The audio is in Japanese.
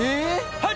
はい！